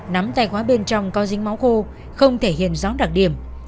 nắm tay khóa bên trong có dính máu khô không thể hiện rõ đặc điểm